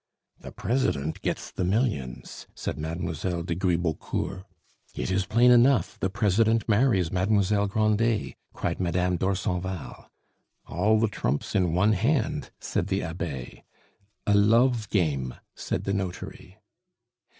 "The president gets the millions," said Mademoiselle de Gribeaucourt. "It is plain enough; the president marries Mademoiselle Grandet," cried Madame d'Orsonval. "All the trumps in one hand," said the abbe. "A love game," said the notary.